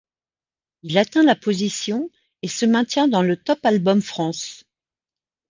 Il atteint la position et se maintient dans le top Albums France.